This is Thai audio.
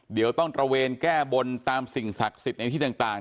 เดี๋ยวต้องตระเวนแก้บนตามสิ่งศักดิ์สิทธิ์ในที่ต่าง